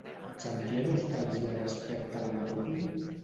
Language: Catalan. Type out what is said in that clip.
Sentia nostàlgia respecte a la metròpoli?